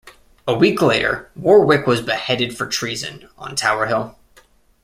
A week later, Warwick was beheaded for treason on Tower Hill.